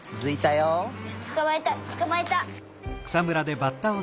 つかまえたつかまえた！